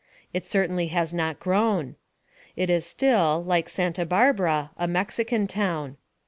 It certainly has not grown. It is still, like Santa Barbara, a Mexican town.